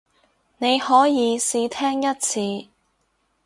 你可以試聽一次